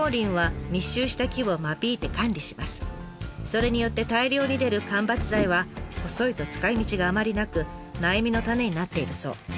それによって大量に出る間伐材は細いと使いみちがあまりなく悩みの種になっているそう。